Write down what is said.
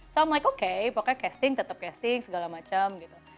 so i'm like okay pokoknya casting tetep casting segala macem gitu